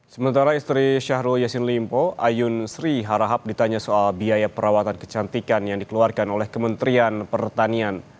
sementara istri syahrul yassin limpo ayun sri harahap ditanya soal biaya perawatan kecantikan yang dikeluarkan oleh kementerian pertanian